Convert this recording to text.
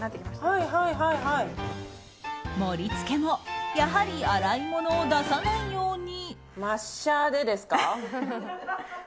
盛り付けもやはり洗い物を出さないように。